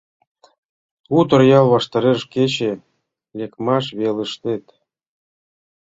У Торъял ваштареш, кече лекмаш велыштет